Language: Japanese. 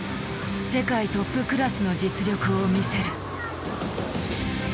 世界トップクラスの実力を見せる。